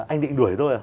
anh định đuổi tôi à